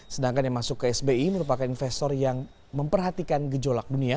sedangkan yang masuk ke sbi merupakan investor yang memperhatikan gejolak dunia